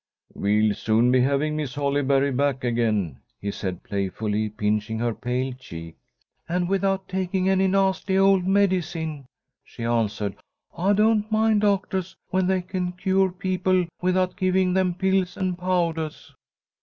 "We'll soon be having Miss Holly berry back again," he said, playfully pinching her pale cheek. "And without taking any nasty old medicine," she answered. "I don't mind doctahs when they can cure people without giving them pills and powdahs."